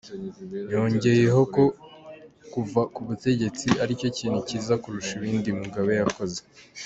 Yongeyeho ko kuva ku butegetsi ari cyo kintu cyiza kurusha ibindi Mugabe yakoze.